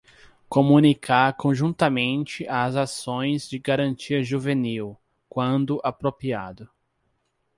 Comunicar conjuntamente as ações de garantia juvenil, quando apropriado.